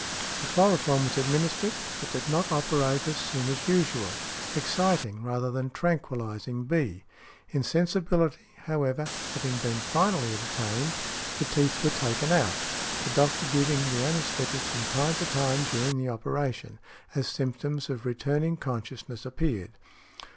The chloroform was administered, but did not operate as soon as usual, exciting rather than tranquilizing B. Insensibility, however, having been finally obtained, the teeth were taken out, the doctor giving the anæsthetic from time to time during the operation, as symptoms of returning consciousness appeared.